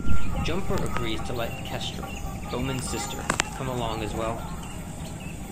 Jumper agrees to let Kestrel, Bowman's sister, come along as well.